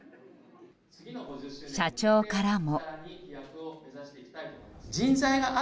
社長からも。